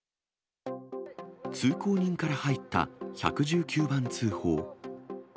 通行人から入った１１９番通報。